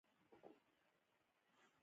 د انسان پوست د اوبو د نفوذ مخه نیسي.